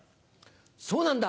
そうなんだ。